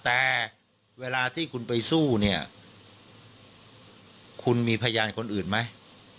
แต่เวลาที่คุณไปสู้เนี่ยคุณมีพยานคนอื่นไหม